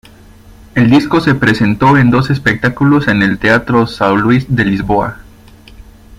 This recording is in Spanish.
El disco se presentó en dos espectáculos en el Teatro São Luiz de Lisboa.